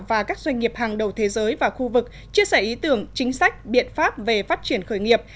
và các doanh nghiệp hàng đầu thế giới và khu vực chia sẻ ý tưởng chính sách biện pháp về phát triển khởi nghiệp